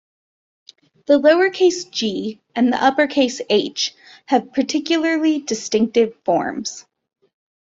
The lower case "g" and the upper case "H" have particularly distinctive forms.